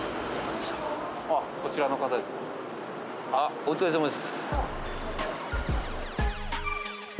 お疲れさまです。